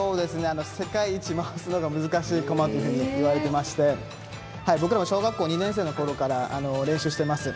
世界一回すのが難しいこまといわれていまして、僕らも小学校２年生のころから練習してます。